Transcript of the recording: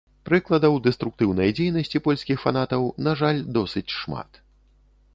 Прыкладаў дэструктыўнай дзейнасці польскіх фанатаў, на жаль, досыць шмат.